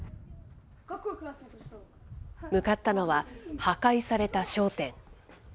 向かったのは、破壊された商店。